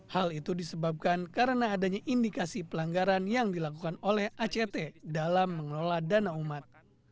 hal itu disebabkan karena adanya indikasi pelanggaran yang dilakukan oleh act dalam mengelola dana umat